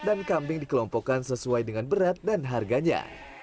dan kambing dikelompokkan sesuai dengan berat dan harganya